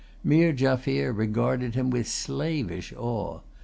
Meer Jaffier regarded him with slavish awe.